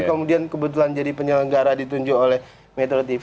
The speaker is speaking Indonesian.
kemudian kebetulan jadi penyelenggara ditunjuk oleh metro tv